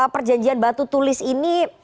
perjanjian batu tulis ini